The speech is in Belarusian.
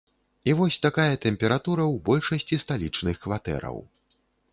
І вось такая тэмпература ў большасці сталічных кватэраў.